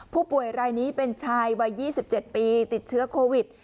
ผู้ป่วยรายนี้เป็นชายวัย๒๗ปีติดเชื้อโควิด